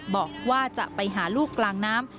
บอกว่าจะไปหาลูกกลางน้ำ